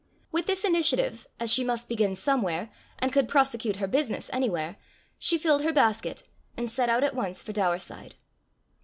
With this initiative, as she must begin somewhere, and could prosecute her business anywhere, she filled her basket and set out at once for Daurside.